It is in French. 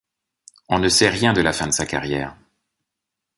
On ne sait rien de la fin de sa carrière.